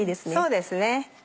そうですね。